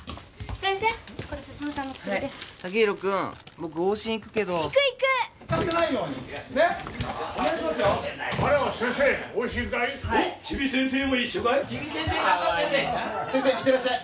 先生いってらっしゃい。